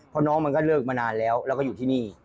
เพราะน้องมันก็เลิกมานานแล้วแล้วก็อยู่ที่นี่